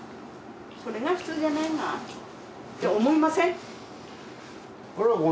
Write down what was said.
それが普通じゃないがって思いません？